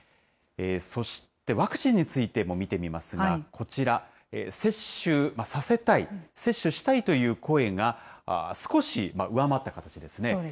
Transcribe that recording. そしてワクチンについても見てみますが、こちら、接種させたい、接種したいという声が少し上回った形ですね。